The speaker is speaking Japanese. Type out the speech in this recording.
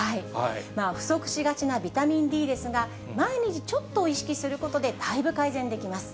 不足しがちなビタミンＤですが、毎日ちょっと意識することで、だいぶ改善できます。